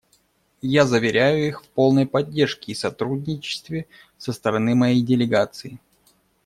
Я заверяю их в полной поддержке и сотрудничестве со стороны моей делегации.